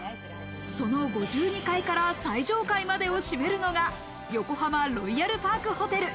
その５２階から最上階までを占めるのが横浜ロイヤルパークホテル。